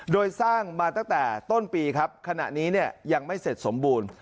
โดยสร้างมาตั้งแต่ต้นปีครับขณะนี้เนี่ยยังไม่เสร็จสมบูรณ์